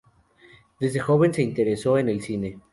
Desde joven se interesó en el cine.